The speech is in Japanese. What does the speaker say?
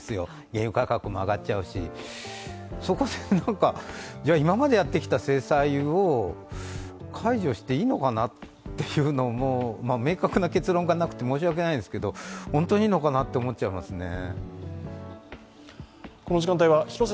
原油価格も上がっちゃうし、今までやってきたさせ制裁を解除していいのかなっていうのも、明確な結論がなくて申し訳ないですけど、本当にいいのかなって思っちゃいますね。